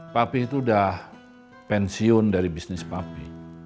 papih itu udah pensiun dari bisnis papih